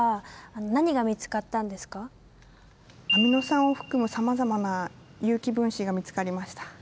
アミノ酸を含むさまざまな有機分子が見つかりました。